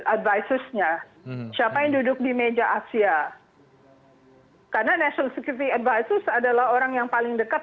advisorsnya siapa yang duduk di meja asia karena national security advisors adalah orang yang paling dekat